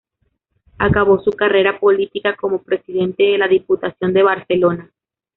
Acabó su carrera política como presidente de la Diputación de Barcelona.